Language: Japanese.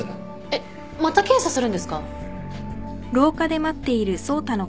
えっまた検査するんですか？